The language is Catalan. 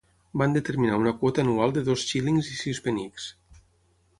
Van determinar una quota anual de dos xílings i sis penics.